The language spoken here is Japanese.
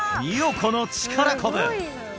この力こぶ！